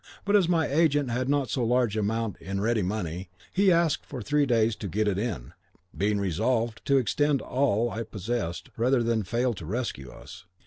But as my agent had not so large an amount in ready money, he asked for three days to get it in, being resolved to expend all I possessed rather than fail to rescue us.